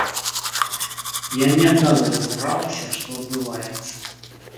Я не адразу разабралася, што адбываецца.